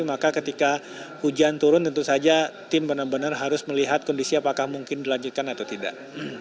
maka ketika hujan turun tentu saja tim benar benar harus melihat kondisi apakah mungkin dilanjutkan atau tidak